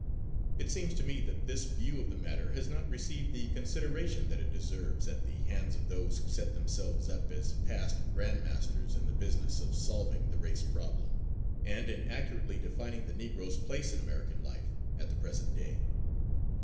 It seems to me that this view of the matter has not received the consideration that it deserves at the hands of those who set themselves up as past grand masters in the business of "solving the race problem," and in accurately defining "The Negro's Place in American Life at the Present Day."